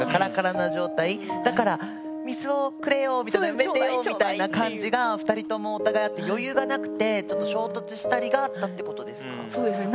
埋めてよみたいな感じが２人ともお互いあって余裕がなくてちょっと衝突したりがあったってことですか？